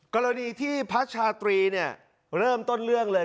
กรณีที่พระชาตรีเนี่ยเริ่มต้นเรื่องเลย